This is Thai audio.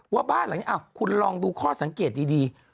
ว่าบ้านหลังนี้คุณลองดูข้อสังเกตดี